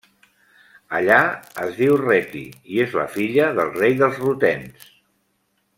Allà es diu Reti i és la filla del rei dels rutens.